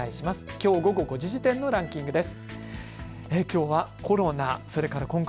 きょう午後５時時点でのランキングです。